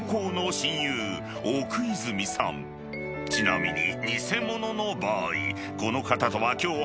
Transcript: ［ちなみに］